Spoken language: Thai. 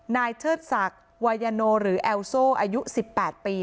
เชิดศักดิ์วายาโนหรือแอลโซ่อายุ๑๘ปี